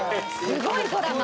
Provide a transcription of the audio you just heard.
すごいドラマ。